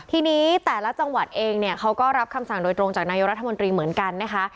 ทีนี้แต่ละจังหวัดเองเนี่ยเขาก็รับคำสั่งโดยตรงจากนายกรัฐมนตรีเหมือนกันนะคะ